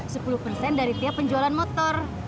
sepuluh persen dari tiap penjualan motor